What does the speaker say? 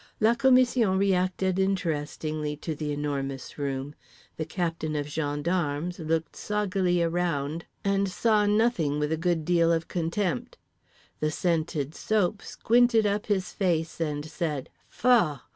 La commission reacted interestingly to the Enormous Room: the captain of gendarmes looked soggily around and saw nothing with a good deal of contempt; the scented soap squinted up his face and said, "Faugh!"